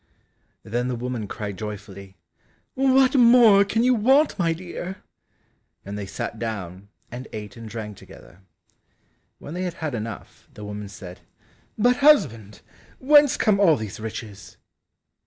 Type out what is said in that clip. Then the woman cried joyfully, "What more can you want, my dear?" and they sat down, and ate and drank together. When they had had enough, the woman said, "But husband, whence come all these riches?"